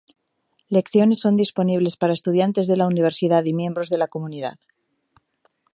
Lecciones son disponibles para estudiantes de la universidad y miembros del comunidad.